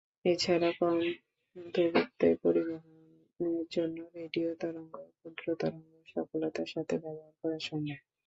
এছাড়াও কম দূরত্বে পরিবহনের জন্য রেডিও তরঙ্গ, ক্ষুদ্র তরঙ্গ সফলতার সাথে ব্যবহার করা সম্ভব।